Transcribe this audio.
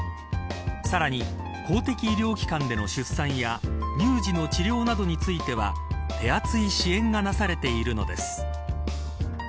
さらに公的医療機関での出産や乳児の治療などについては手厚い支援がなされているのです。